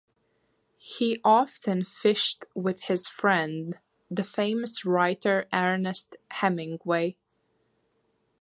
He often fished with his friend, the famous writer Ernest Hemingway.